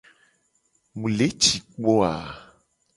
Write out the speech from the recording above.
Mu le ci kpo a?